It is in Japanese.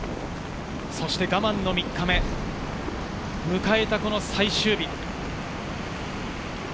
そして我慢の３日目、迎えた最終日。